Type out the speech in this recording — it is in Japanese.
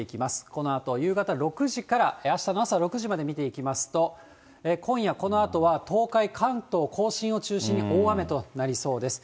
このあと夕方６時からあしたの朝６時まで見ていきますと、今夜このあとは東海、関東甲信を中心に大雨となりそうです。